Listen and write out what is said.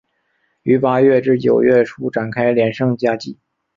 于八月至九月初展开连胜佳绩。